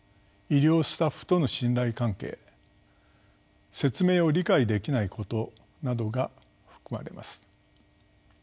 医療スタッフとの信頼関係説明を理解できないことなどが含まれます。